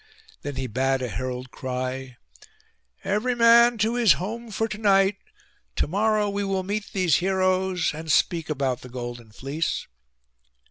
Then he bade a herald cry, 'Every man to his home for to night. To morrow we will meet these heroes, and speak about the golden fleece.